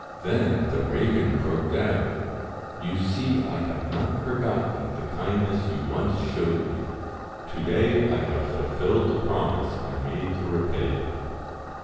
Then the raven croaked out 'You see I have not forgotten the kindness you once showed me. To day I have fulfilled the promise I made to repay you.'